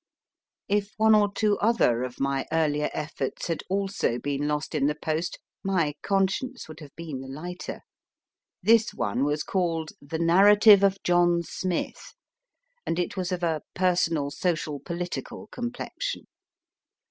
If one or two other of my earlier efforts had also been lost in the post, my conscience would have been the lighter. This one was called The Narrative of John Smith, and it was of a personal social political complexion.